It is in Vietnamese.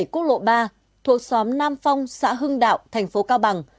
bảy quốc lộ ba thuộc xóm nam phong xã hưng đạo tp cao bằng